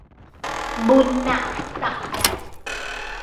บุญหนักศักดิ์ใหญ่